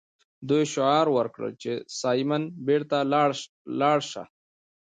دوی شعار ورکړ چې سایمن بیرته لاړ شه.